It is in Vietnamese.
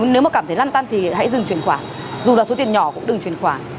nếu mà cảm thấy lăn tăn thì hãy dừng chuyển khoản dù là số tiền nhỏ cũng đừng chuyển khoản